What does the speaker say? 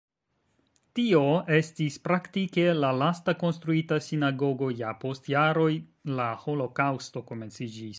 Tio estis praktike la lasta konstruita sinagogo, ja post jaroj la holokaŭsto komenciĝis.